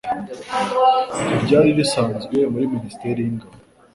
ntiryari risanzwe muri ministere y'ingabo.